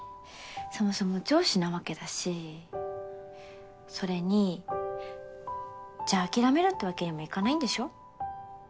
そもそも上司なわけだしそれにじゃあ諦めるってわけにもいかないんでしょ？